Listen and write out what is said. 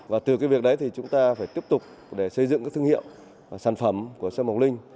và từ cái việc đấy thì chúng ta phải tiếp tục để xây dựng các thương hiệu sản phẩm của sâm ngọc linh